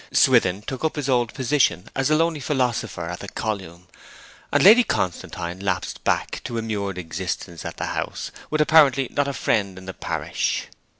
Swithin took up his old position as the lonely philosopher at the column, and Lady Constantine lapsed back to immured existence at the house, with apparently not a friend in the parish.